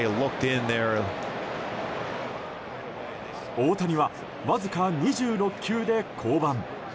大谷は、わずか２６球で降板。